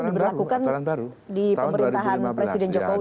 di pemerintahan presiden jokowi ya